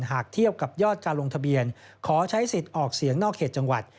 เทียบกับยอดการลงทะเบียนขอใช้สิทธิ์ออกเสียงนอกเขตจังหวัด